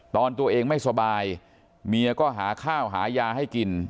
ตอนตัวเองไม่สบายเมียก็หาข้าวหายาให้กิน